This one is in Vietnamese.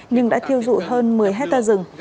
nhưng đã thiêu dụ hơn một mươi hectare rừng